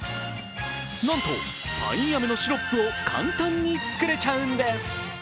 なんとパインアメのシロップを簡単に作れちゃうんです。